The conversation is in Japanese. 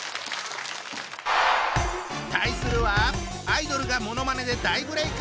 対するはアイドルがものまねで大ブレーク。